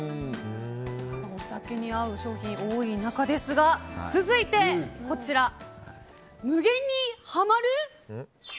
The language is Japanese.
お酒に合う商品、多い中ですが続いて、無限にハマる？